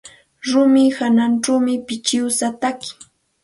Rumi hawanćhawmi pichiwsa taki.